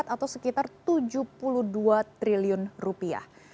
atau sekitar tujuh puluh dua triliun rupiah